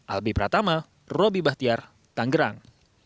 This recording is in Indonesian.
albi pratama roby bahtiar tangerang